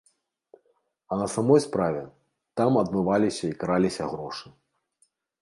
А на самой справе, там адмываліся і краліся грошы.